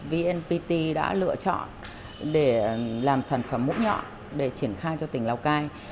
vnpt đã lựa chọn để làm sản phẩm mũ nhọn để triển khai cho tỉnh lào cai